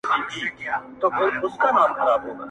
ښکارېدی چی بار یې دروند وو پر اوښ زور وو،